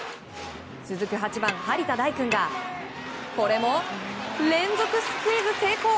続く８番張田大君がこれも連続スクイズ成功。